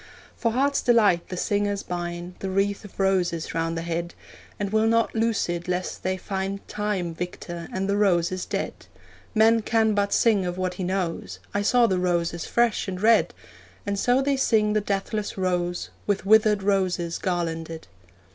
For heart's delight the singers bind The wreath of roses round the head, And will not loose it lest they find Time victor, and the roses dead. 'Man can but sing of what he knows I saw the roses fresh and red!' And so they sing the deathless rose, With withered roses garlanded.